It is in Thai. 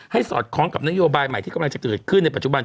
สอดคล้องกับนโยบายใหม่ที่กำลังจะเกิดขึ้นในปัจจุบัน